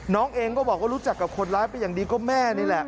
น้องเองก็บอกว่ารู้จักกับคนร้ายไปอย่างดีก็แม่นี่แหละ